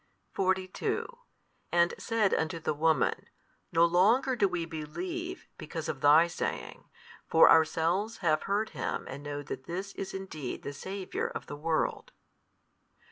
42 And said unto the woman, No longer do we believe, because of thy saying: for ourselves have heard Him and know that This is indeed the Saviour of the world.